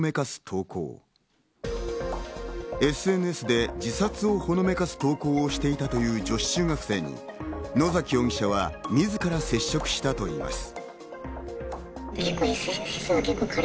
ＳＮＳで自殺をほのめかす投稿をしていたという女子中学生に野崎容疑者は自ら接触したといいます。